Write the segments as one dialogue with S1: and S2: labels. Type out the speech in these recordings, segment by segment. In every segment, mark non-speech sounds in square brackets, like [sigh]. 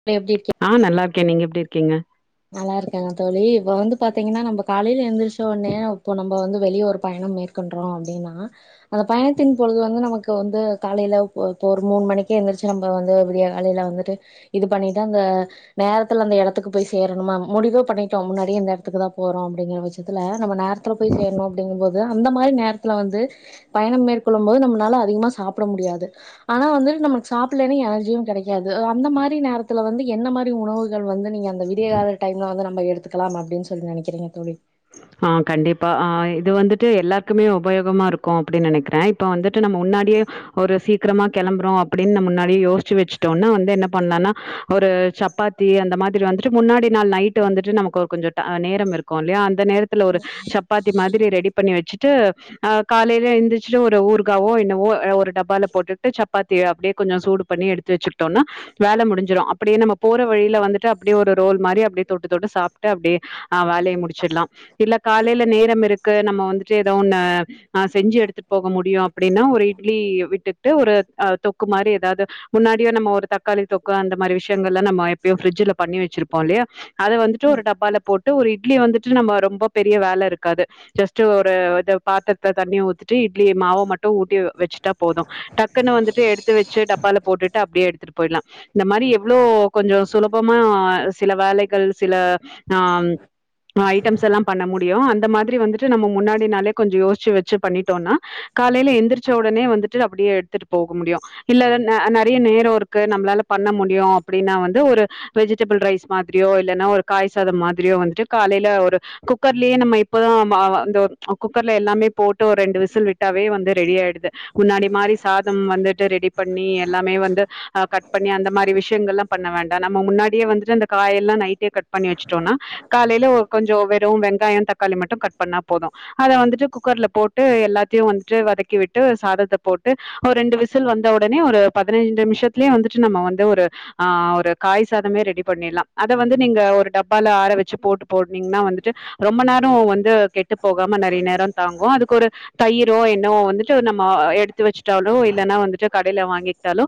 S1: இப்ப எப்டி இருக்கீங்
S2: ஆ நல்லா இருக்கே நீங்க எப்டி இருக்கீங்க
S1: நல்லா இருக்கேங்க தோழி இப்ப வந்து பாத்தீங்கன்னா நம்ம காலேல எந்திரிச்சோ ஒனே அப்போ நம்ம வந்து வெளிய ஒரு பயணம் மேற் கொண்றோ அப்டினா அந்த பயணத்தின் பொழுது வந்து நமக்கு வந்து காலேல போ இப்ப ஒரு மூணு மணிக்கு எந்திரிச்சு நம்ம வந்து இப்டியா வேலேல வந்துட்டு இது பண்ணிட்டு அந்த நேரத்துல அந்த எடத்துக்கு போய் ஸ் சேரணுமா முடிவு பண்ணிட்டோ முன்னாடியே இந்த எடத்துக்கு தா போறோ அப்டிங்கிற பட்சத்துத்தில நம்ம நேரத்துல போய் சேரணு அப்டிங்குபோது அந்த மாரி நேரத்தில்ல வந்து பயணம் மேற்கொள்ளும் போது நம்மளால அதிகமா சாப்ட முடியாது ஆனா வந்து நமக்கு சாப்பிட்லனா எனர்ஜியு கெடைக்காது அந்த மாரி நேரத்து வந்த என்ன மாரி உணவுகள் வந்து நீங்க அந்த அதிகால டைம்ல வந்து நம்ப எடுக்கலாம் அப்டின்னு சொல்லி நெனைக்கிறங்க தோழி
S2: ஆ கண்டிப்பா ஆ இது வந்துட்டு எல்லாருக்குமே உபயோகமா இருக்கு அப்டின்னு நெனைக்கிறே இப்ப வந்துட்டு நம்ம முன்னாடியே ஒரு சீக்கிரமா கெளம்புறோ அப்டின்னு நம் முன்னாடி யோசிச்சி வெச்சுட்டோம்னா வந்து என்ன பண்லான்னா ஒரு சப் சப்பாத்தி அந்த மாதிரி வந்துட்டு முன்னாடி நாள் நைட்டு வந்துட்டு நமக்கு கொஞ்சோ டை ஒரு நேரோ இருக்கு இல்லையா அந்த நேரத் த்துல ஒரு சப்பாத்தி மாதிரி ரெடி பண்ணி வெச்சிட்டு ஆ காலையில எந்திரிச்சிட்டு ஒரு ஊர்காவோ என்னவோ ஒரு டப்பால போட்டுட்டு சப்பாத்தி அப்டியே கொஞ்சோ சூடு பண்ணி எடுத் து வெச்சிக்கிட்டோனா வேல முடிஞ்சிடு அப்டியே நம்ம போற வழியில வந்துட்டு அப்டியே ஒரு ரோல் மாரி அப்டியே தொட்டு தொட்டு சாப்டுட்டு அப்டியே ஆ வேலைய முடிச்சிட்லா இல்ல காலையில நேரம் இருக்கு நம்ம வந்துட்டு ஏதோ ஒன்னு ஆ செஞ்சி எடுத்துட்டு போக முடியு அப்டின்னா ஒரு இட்லி விட்டுட்டு ஒரு ஆ தொக்கு மாரி ஏதாவது முன்னாடியே நம்ம ஒரு தக்காளி தொக்கு அந்த மாரி விஷயங்கல்லா நம்ம எப்பயு ஃப்ரிட்ஜில பண்ணி வெச்சிருப்போ இல்லையா அத வந்துட்டு
S1: ம்.
S2: ஒரு டப்பால போட்டு ஒரு இட்லி வந்துட்டு நம்ம ரொம்ப பெரிய வேல இருக்காது ஜஸ்ட் ஒரு இத பாத்ரத்த தண்ணிய ஊத்துட்டு இட் லி மாவ மட்டு ஊட்டி வெச்சிட்டா போது டக்குன்னு வந்துட்டு எடுத்து வெச்சி டப்பால போட்டுட்டு அப்டியே எடுத்தூட்டு போயிடலா இந்த மாரி எவ்வளோ கொஞ்சோ சுலபமா சில வேலைகள் சில ஆ ஐட்டம்ஸ் எல்லாம் முடியு அந்த மாதிரி வந்துட்டு நம்ம முன்னாடினாலே கொஞ்சோ யோசிச்சி வெச்சி பண்ணிட்டோம்னா காலையில எந்திரிச்ச உடனே வந்துட்டு அப்டியே எத்துட்டு போக முடியு இல்ல ந நறைய நேரோ இருக்கு நம்மளால பண்ண முடியு அப்டின்னா வந்து ஒரு வெஜிடேபிள் ரைஸ் மாதிரியோ இல்லைன்னா ஒரு காய் சாதோ மாதிரியோ வந்துட்டு காலையில ஒரு குக்கர்லயே நம்ம இப்போதா நம்ம அ குக்கர்ல எல்லாமே போட்டு ஒரு ரெண்டு விசில் விட்டாவே வந்து ரெடி ஆயிடுது முன்னாடி மாதிரி சாதம் வந்துட்டு ரெடி பண்ணி எல்லாமே வந்து ஆ கட் பண்ணி அந்த மாரி விஷயங்கள்லா பண்ண வேண்டா நம்ம முன்னாடியே வந்துட்டு அந்த காயெல்லா நைட்டே கட் பண்ணி வெச்சிட்டோனா காலையில கொஞ்சோ வெறு வெங்காயோ தக்காளி மட்டு கட் பண்ணா போது அத வந்துட்டு குக்கர்ல போட்டு எல்லாத்தையு வந்துட்டு வதக்கி விட்டு சாதத்த போட்டு ஒரு ரெண்டு விசில் வந்த உடனே ஒரு பதினைஞ்சி நிமிஷத்துலயே வந்துட்டு நம்ம வந்து ஒரு ஆ ஒரு காய் சாதமே ரெடி பண்ணிட்லா அத வந்து நீங்க டப்பால ஆற வெச்சி போட்டு போட்னீங்கன்னா வந்து ரொம்ப நோரோ வந்து கெட்டு போகாம நறைய நேரோ தாங்கு அதுக்கு ஒரு தயிரோ என்னவோ வந்துட்டு நம்ம எடுத்து வெச்சிட்டாலோ இல்லன்னா வந்துட்டு கடையில வாங்கிட்டாலு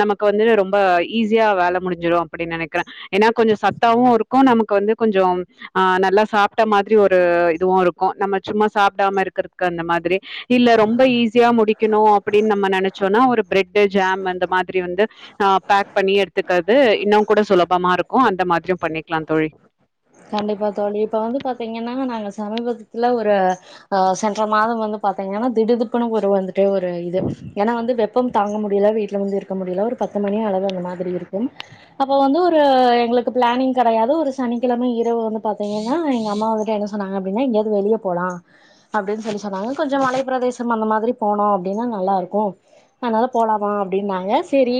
S2: நமக்கு வந்து ரொம்ப ஈஸியா வேல முடிஞ்சிடு அப்டின்னு நெனைக்கிறே ஏன்னா கொஞ்சோ சத்தாவு இருக்கு நமக்கு வந்து கொஞ்சம் ஆ நல்லா சாப்டா மாதிரி ஒரு இதுவு இருக்கு நம்ம சும்மா சாப்டாம இருக்கறதுக்கு அந்த மாரி இல்ல ரொம்ப ஈஸியா முடிக்கணு அப்டின்னு நம்ம நெனைச்சோனா ஒரு பிரெட்டு் ஜாம் அந்த மாரி வந்து ஆ பேக் பண்ணி எடுத்துக்கறது இன்னு கூட சுலபமா இருக்கு அந்த மாதிரியு பண்ணிக்கலா தோழி
S1: கண்டிப்பா தோழி இப்ப வந்து பாத்தீங்கன்னா நாங்க சமீபத்துல ஒரு ஆ சென்ற மாதம் வந்து பாத்தீங்கன்னா திடு திப்புன்னு ஒரு வந்து அப்டி ஒரு இது ஏன்னா வந்து வெப்பம் தாங்க முடில வீட்ல வந்து இருக்க முடில ஒரு பத்து மணி அளவு அந்த மாதிரி இருக்கும் அப்ப வந்து ஒரு எங்களுக்கு பிளானிங் கெடயாது ஒரு சனி சனிகெழம இரவு வந்து பாத்தீங்கன்னா எங்க அம்மா வந்துட்டு என்ன சொன்னாங்க அப்டின்னா எங்கயாது வெளிய போலா அப்டின்னு சொல்லி சொன்னாங்க கொஞ்சம் மலைப்பிரதேசம் அந்த மாதிரி போனோ அப்டின்னா நல்லாருக்கு அதனாலா போலாமா அப்டின்னாங்க சேரி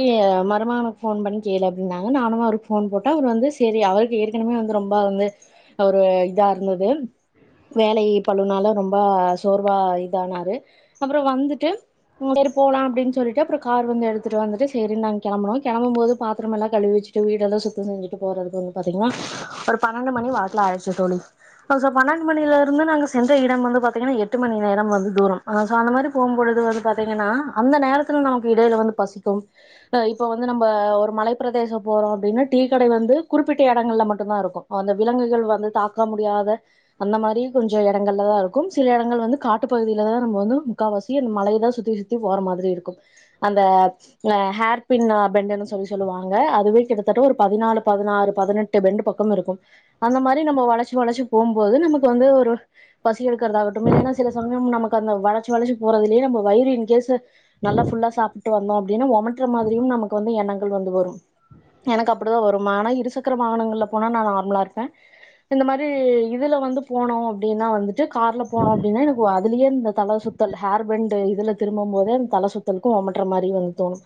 S1: மருமகனுக்கு ஃபோன் பண்ணி கேளு அப்டினாங்க நானு அவருக் ஃபோன் போட்டா அவரு வந்து சேரி அவருக்கு ஏற்கனவே வந்து ரொம்ப வந்து ஒரு இதா இருந்தது வேலையி பழுனால ரொம்ப சோர்வா இதானாரு அப்புறோ வந்துட்டு சேரி போலா அப்டின் சொல்லிட்டு அப்புறோ கார் வந்து எடுத்துட்டு வந்துட்டு சேரி நா கெளம்பனோ கெளம்புபோது பாத்திரமெல்லா கழுவி வச்சி ட்டு வீடெல்லா சுத்தோ செஞ்சிட்டு போறதுக்கு வந்து பாத்தீங்கன்னா ஒரு பன்னெண்டு மணி வாக்குடுல ஆயிடிச்சி தோழி பசோ பன்னெண்டு மணில இருந்து நாங்க சென்ற இடம் வந்து பாத்தீங்கன்னா எட்டு மணி நேரம் வந்து தூரம் ஆ சோ அந்த மாரி போம் பொழுது வந்து பாத்தீங்கன்னா அந்த நேரத்துல நமக்கு இடையில வந்து பசிக்கும் அ இப்ப வந்து நம்ம ஒரு மலைப்ப பிரதேசம் போறோ அப்டின்னா டீக்கடை வந்து குறிப்பிட்ட எடங்கள்ல மட் ட்டுதா இருக்கு அந்த விலங்குகள் வந்து தாக்க முடியாத அந்த மாரி கொஞ்சோ எடங்கள்லதா இருக்கு சில எடங்கள் வந்து காட்டு பகுதியிலதா நம்ம வந்து முக்கால்வாசி அந்த மழையதா சுத்தி சுத் தி போற மாதிரி இருக்கு அந்த அ ஹேர் பின்ன பெண்டுன்னு சொல்லி சொல்லுவாங்க அதுவே கிட்டத்தட்ட ஒரு பதினாலு பதினாறு பதினெட்டு பெண்ட் பக் கம் இருக்கும் அந்த மாரி நம்ம வளச்சி வளச்சி போம்போது நமக்கு வந்து ஒரு பசி எடுக்கிறதாகட்டு இல்லைன்னா சில சமயம் நமக்கு அந்த வளச்சி வளச்சி போறதுலியே நம் வயிறு இன்கேஸ்ஸு நல்லா ஃபுல்லா சாப்பிட்டு வந்தோ அப்டின்னா ஒமட்ற மாரியு நமக்கு வந்து எண்ணங்கள் வந்து வரு எனக்கு அப்பிடிதா வரு ஆனா இருசக்கர வாகனங்கள்ல போனா நா நார்மலா இருப்பே இந்த மாரி இதுல வந்து போனோ அப்டின்னா வந்துட்டு கார்ல போனோ அப்டின்னா எனக்கு வ அதிலியே இந்த தல சுத் த்தல் ஹேர்பெண்டு இதுல திரும்பும் போதே அந்த தல சுத்தலுக்கு ஒமற்ற மாரி வந் தோணு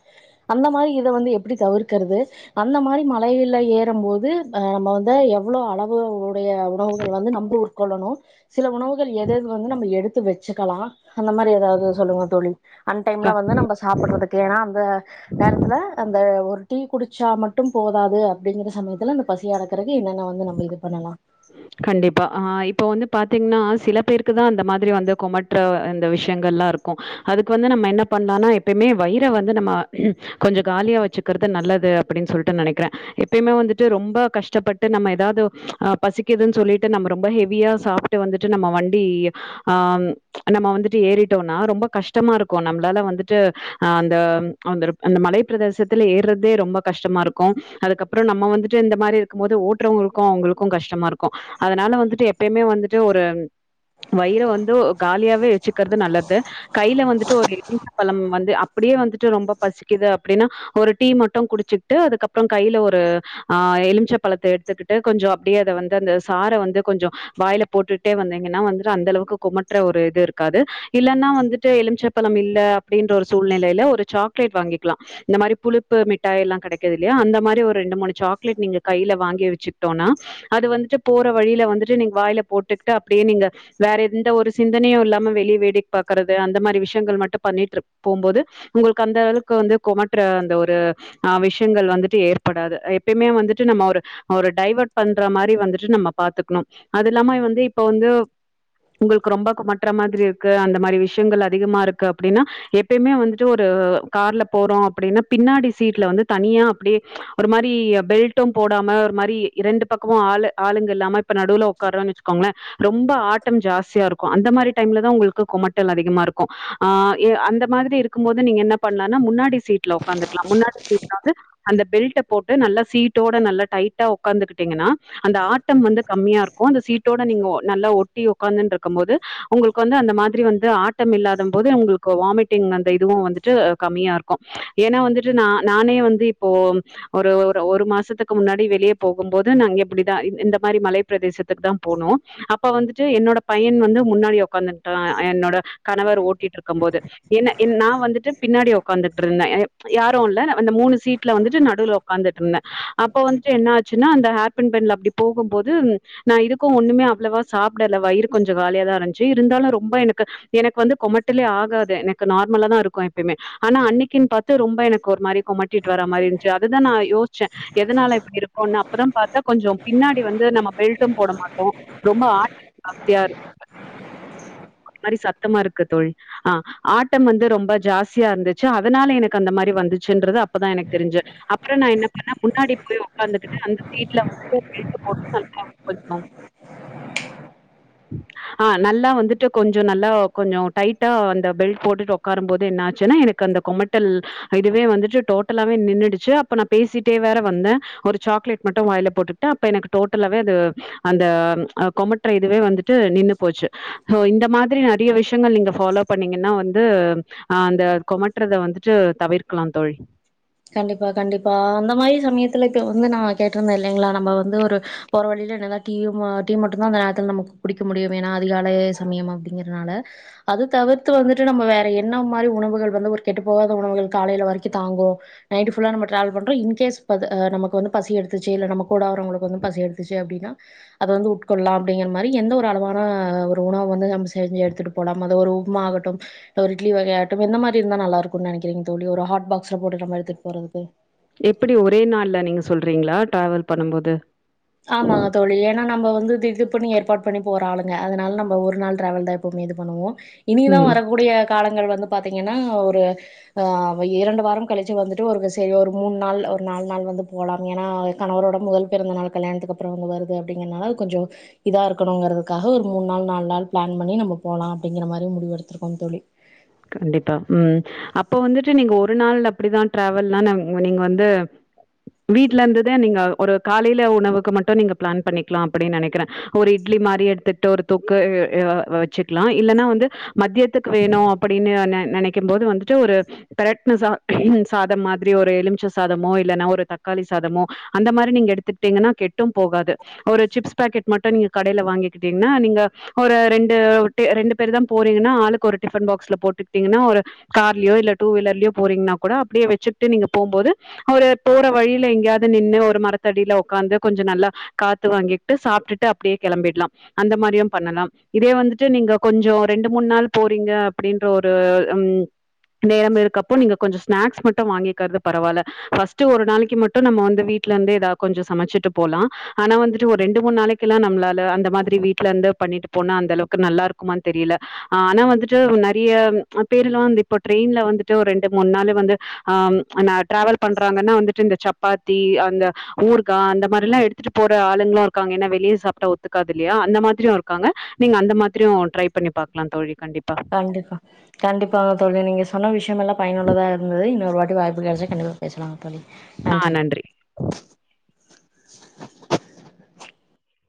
S1: அந்த மாரி இத வந்து எப்பிடி தவிர்க்கிறது அந்த மாரி மலையில்ல ஏறம் போது ஆ நம்ம வந்து எவ்ளோ அளவு உடைய உணவுகள் வந்து நம்ப உட்கொள்ளணு சில உணவுகள் எத எது வந்து நம்ம எடுத்து வச்சிக்கலா அந்த மாரி எதாவது சொல்லுங்க தோழி அன் டைம்ல நம்ம சாப்பறதுக் க்கு ஏன்னா அந்த நேரத்துல அந்த ஒரு டீ குடிச்சா மட்டு போதாது அப்பிடிங்கிற சமயத்துல அந்த பசிய அடக்கறதுக்கு என்னென்ன வந்து நம்ம இது பண்ணலா
S2: கண்டிப்பா ஆ இப்ப வந்து பாத்தீங்கன்னா சில பேருக்குதா அந்த மாதிரி வந்து குமற்ற இந்த விஷயங்கள்ல்லா இருக்கு அதுக்கு வந்து நம்ம என்ன பண்ணலானா எப்பியுமே வயிற வந்து நம்ம கொஞ்ச காலியா வச்சிக்கிறது நல்லது அப்பிடின் சொல்ட்டு நெனைக்கிறே எப்பியுமே வந்துட்டு ரொம்ப கஷ்டப்பட் ட்டு நம்ம எதாவது அ பசிக்குதுன்னு சொல்லிட்டு நம்ம ரொம்ப ஹெவியா சாப்பிட்டு வந்துட்டு நம்ம வண்டி ஆம் நம்ம வந்துட்டு ஏறிட்டோனா ரொம்ப கஷ்டமா இருக்கு நம்ளால வந்துட்டு அ அந்த அந்துருப் அந்த மலைப்ப பிரதேசத்தில ஏறதே ரொம்ப கஷ்டமா இருக்கு அதுக்கப்புறோ நம்ம வந்துட்டு இந்த மாரி க்கும் போது ஓட்டுறவங்களுக்கு அவங்களுக்கு கஷ்டமா இருக்கு அதனால வந்துட்டு எப்பியுமே வந்துட்டு ஒரு வயிற வந்து காலியாவே வச்சிக்கிறது நல்லது கையில வந்துட்டு ஒரு எலுமிச்ச பழம் வந்து அப்பிடியே வந்துட்டு ரொம்ப பசிக்குது அப்பிடின்னா ஒரு டீ மட்டு குடிச்சிகிட்டு அதுக்கப்புறோ கையில ஒரு ஆ எலிமிச்ச பழத்த எடுத்துக்கிட்டு கொஞ்சோ அப்பிடியே அத வந்து அந்த சார வந்து கொஞ்சோ வாயில போட்டுட்டே வந்தீங்கன்னா வந்துட்டு அந்த அளவுக்கு குமட்டற ஒரு இது இருக்காது இல்லன்னா வந்துட்டு எலுமிச்ச பழம் இல்ல அப்பிடின்ற ஒரு சூழ்நிலையில ஒரு சாக்லேட் வாங்கிக்கலா இந்த மாரி புளுப்பு மிட்டாய எல்லா கெடைக்குது இல்லையா அந்த மாரி ஒரு ரெண்டு மூனு சாக்லேட் நீங்க கையில வாங்கி வச்சுக்கிட்டோனா அது வந்துட்டு போற வழியில வந்துட்டு நீங்க வாயில போட்டுகிட்டு அப்பிடியே நீங்க வேற எந்த ஒரு சிந்தனையு இல்லாம வெளியே வேடிக் பாக்கறது அந்த மாரி விஷ்யங்கள் மட்டு பண்ணிட்டு இரு போம்போது உங்களுக்கு அந்த அளவுக்கு வந்து கொமட்ற அந்த ஒரு ஆ விஷ்யங்கள் வந்துட்டு ஏற்படாது எப்பியுமே வந்துட்டு நம்ம ஒரு அவர் டைவட் பண் ட்டற மாரி வந்துட்டு நம்ம பாத்துக்குனு அது இல்லாம வந்து இப்ப வந்து உங்களுக்கு ரொம்ப கொமற்ற மாதிரி இருக்கு அந்த மாரி விஷ்யங்கள் அதிகமா இருக்கு அப்பிடின்னா எப்பியுமே வந்துட்டு ஒரு கார்ல போறோ அப்பிடின்னா பின்னாடி சீட்ல வந்து தனியா அப்டியே ஒரு மாரி பெல்ட்டு போடாம ஒரு மாரி இரண்டு பக்கோமு ஆளு ஆளுங்க இல்லாம இப்ப நடுவுல உக்காறன்னு வச்சுக்கோங்கள ரொம்ப ஆட்டம் ஜாஸ்தியா இருக்கு அந்த மாரி டைம்லதா உங்களுக்கு குமட்டல் அதிகமா இருக்கு ஆ எ அந்த மாதிரி இருக் கும் போது நீங்க என்ன பண்லானா முன்னாடி சீட்ல உக்காந்துக்கலா முன்னாடி சீட்ல வந்து அந்த பெல்ட்ட போட்டு நல்லா சீட்டோட நல்லா டைட்டா உக்காந்துக்ட்டிங்கன்னா அந்த ஆட்டம் வந்து கம்மியா இருக்கு அந்த சீட்டோட நீங்கோ நல்லா ஒட்டி உக்காந்துன்ருக்கம் போது உங்களுக்கு வந்து அந்த மாதிரி வந்து ஆட்டம் இல்லாதம் போது உங்களுக்கு வாமிட்டிங் அந்த இதுவு வந்துட்டு கம்மியாருக் கு ஏனா வந்துட்டு நா நானே வந்து இப்போ ஒரு ஒரு ஒரு மாசத்துக்கு முன்னாடி வெளியே போ கும் போது நாங்க இப்டிதா இந் இந்த மாரி மலை பிரதேசத்துக்குதா போனோ அப்ப வந்துட்டு என்னோட பையன் வந்து முன்னாடி உக்காந்துட் ட்டுறா அ என்னோட கணவர் ஓட்டிட்டு இருக்கம் போது என்ன என் நா வந்துட்டு பின்னாடி உக்காந்துட்டுருந்தே யாரு இல்ல நா அந்த மூணு சீட்ல வந்துட்டு நடுவ்ல உக்காந்துட்டுருந்தே அப்போ வந்துட்டு என்ன ஆ ச்சுன்னா அந்த ஹேர்பண்ட் பெண்ட்ல அப்டி போகும் போது நா இதுக்கும் ஒன்னுமே அவ்ளவா சாப்டல வயிறு கொஞ்சொ காலியாதான இருந்ச்சு இருந்தாலு ரொம்ப எனக்கு எனக்கு வந்து கொமட்டலே ஆகாது எனக்கு நார்மலா தா இருக்கு எப்பயுமே ஆனா அன்னைக்குன் பாத்து ரொம்ப எனக்கு ஒரு மாரி கொமட்டிட்டு வர மாரி இருந்துச்சு அதுதா நா யோச்சே எதனால இப்டி இருக்கு நா அப்பதா பாத்த கொஞ்சொம் பின்னாடி வந்து நம்ம பெல்ட்டும் போட மாட்டோ ரொம்ப ஆட்டம் ஜாஸ்தியா இருக்கு பின்னாடி சத்தமா இருக்குது ஆ ஆட்டம் வந்து ரொம்ப ஜாஸ்தியா இருந்துச்சு அதனால எனக்கு அந்த மாரி வந்துச்சுன்றது அப்பதா எனக்கு தெரிஞ்சு அப்றோ நா என்ன பண்ண முன்னாடி போய் உக் உக்காந்துக்ட்டு அந்த சீட்ல வந்துட்டு பெல்ட்டு போட்டுட்டு [inaudible] ஆ நல்லா வந்துட்டு கொஞ்சொ நல்லா கொஞ்சொ டைட்டா அந்த பெல்ட் போட்டுட்டு உக்காரும் போது என்ன ஆச்சுன்னா எனக் கு அந்த கொமட்டல் அதுவே வந்துட்டு டோட்டலாவே நின்னுடுச்சு அப்ப நா பேசிட்டே வேற வந்த ஒரு சாக்லேட் மட்டும் வாய்ல போட்டுக்ட்ட அப்ப எனக்கு டோட்டலாவே அது அந்த அ கொமட்டல் இதுவே வந்து ட்டு நின்னு போச்சு அ இந்த மாதிரி நெறைய விஷ யங்கள் நீங்க ஃபாலோ பண்ணீங்கன்னா வந்து அ அந்த கொமட்டுறத வந்துட்டு தவிர்க்கலாம் தோழி
S1: கண்டிப்பா கண்டிப்பா அந்த மாரி சமயத்துல இப்ப வந்து நா கேட்டிருந்தே இல்லைங்ளா நம்ம வந்து ஒரு போற வழில எதனா டீ வ டீ மட்டுந்தா அந்த நேரத்துல நமக்கு குடிக்க முடியுமே ஏனா அதிகாலை சமயம் அப்டிங்கிறனால அது தவிர்த்து வந்துட்டு நம்ம வேற என்ன மாரி உணவுகள் வந்து ஒரு கெட்டு போகாத உணவுகள் காலைல வரைக்கு தாங்கு நைட் ஃபுல்லா நம்ம டிராவல் பண்றோ இன்கேஸ் பது அ நமக்கு வந்து பசி எடுத்துச்சு இல்ல நம்மக் கூட வரவங்களுக்கு வந்து பசி எடுத்துச்சு அப்டின்னா அத வந்து உட்கொள்ளலா அப்டிங்கிற மாரி எந்த ஒரு அளவான ஒரு உணவ வந்து நம்ம செஞ்சு எடுத்துட்டு போனும் அது ஒரு உப்மா ஆகட்டு ஒரு இட்லி வகையாகட்டு எந்த மாரி இருந்தா நல்லா இருக்கும் நெனைக்கிறீங்க தோழி ஒரு ஹாட் பாக்ஸ்ல போட்டுட் நம எடுத்துட்டு போறதுக்கு
S2: எப்டி ஒரே நாள்ல நீங்க சொல்றீங்களா டிராவல் பண்ணும் போது
S1: ஆமாங்க தோழி ஏனா நம்ம வந்து திகுதிப்புனு ஏற்பாடு பண்ணி போற ஆளுங்க அதனால நம்ம ஒரு நாள் டிராவல் தா எப்பவுமே இது பண்ணுவோ இனிதா
S2: ம்
S1: வரக்கூடிய காலங்கள் வந்து பாத்தீங்கன்னா ஒரு ஆ ஒ இரண்டு வாரம் கழிச்சு வந்துட்டு ஒருக்க சரி ஒரு மூணு நாள் ஒரு நாலு நாள் வந்து போலாம் ஏனா கணவரோட முதல் பிறந்த நாள் கல்யாணத்துக்கப்பறோ ஒன்னு வருது அப்டிங்கிறனால அது கொஞ்சொ இதா இருக்கணுங்கிறதுக்காக ஒரு மூணு நாள் நாலு நாள் பிளான் பண்ணி நம்ம போலா அப்டிங்கிற மாரி முடிவு எடுத்திருக்கோம் தோழி
S2: கண்டிப்பா ம் அப்போ வந்துட்டு நீங்க ஒரு நாள் அப்டிதா ட்ராவல்னா நாங் நீங்க வந்து வீட்ல இருந்துத நீங்க ஒரு காலைல உணவுக்கு மட்டு நீங்க பிளான் பண்ணிக்கலா அப்டின்னு நெனைக்கிறே ஒரு இட்லி மாரி எடுத்துக்ட்டு ஒரு தொக்கு எ வச்சுக்கலா இல்லன்னா வந்து மத்தியத்துக்கு வேணு இன்னி ஒன்ன நெனைக்கும் போது வந்துட்டு ஒரு கரெக்ட்னெஸ்ஸா திடீர்னுன்னு சாதம் மாதிரி ஒரு எலுமிச்ச சாதமோ இல்லென்னா ஒரு தக்காளி சாதமோ அந்த மாரி நீங்க எடுத்தட்டீங்கன்னா கெட்டும் போகாது ஒரு சிப்ஸ் பேக்கெட் மட்டு நீங்க கடையில வாங்கிக்கிட்டீங்ன்னா நீங்க ஒரு ரெண்டு ரெண்டு பேரு தா போறீங்கன்னா ஆளுக்கு ஒரு டிபன் பாக்ஸ்ல போட்டுட்டீங்கன்னா ஒரு கார்லயோ இல்ல டூ வீலர்லயோ போறீங்னா கூட அப்படியே வெச்சுட்டு நீங்க போம் போது ஒரு போற வழியில எங்கேயாவது நின்னு ஒரு மரத்தடியில உக்காந்து கொஞ்ச நல்லா காத்து வாங்கிட்டு சாப்ட்டுட்டு அப்படியே கிளம்பிற்லாம் அந்த மாரியும் பண்ணலாம் இதே வந்துட்டு நீங்க கொஞ்சோ ரெண்டு மூன் நாள் போறிங்க அப்படின்ற ஒரு ம் நேரம் இருக்கப்போ நீங்க கொஞ்ச ஸ்நாக்ஸ் மட்டு வாங்கிக்கிறது பரவால்ல ஃபஸ்ட்டு ஒரு நாளைக்கு மட்டு நம்ம வந்து வீட்டுல இந்து எதா கொஞ்ச சமச்சிட்டு போலா ஆனா வந்துட்டு ஒரு ரெண்டு மூன் நாளைக்கெல்லா நம்ளால அந்த மாதிரி வீட்டுல இருந்து பண்ணிட்டு போனா அந்த அளவுக்கு நல்லா இருக்குமான் தெரியல ஆனா வந்துட்டு நெறையா பெருல்லா வந்து இப்போ ட்ரெயின்ல வந்துட்டு ரெண்டு மூன் நாள் வந்து ஆ ந ட்ராவல் பண்றாங்கன்னா வந்துட்டு இந்த சப்பாத்தி அந்த ஊர்கா அந்த மாரிலா எடுத்துட்டு போற ஆளுங்களு இருக்காங்க ஏன்னா வெளியே சாப்ட்டா ஒத்துக்காது இல்லையா அந்த மாதிரியு இருக்காங்க நீங்க அந்த மாதிரியு ட்ரை பண்ணி பாக்கலா தோழி கண்டிப்பா
S1: கண்டிப்பா கண்டிப்பாக தோலி நீங்க சொன்ன விஷ்யம் எல்லா பயனுள்ளதா இருந்தது இன்னொரு வா வாய்ப்பு கடசா கண்டிப்பா பேசலாங் தோழி
S2: ஆ
S1: நன்றி
S2: நன்றி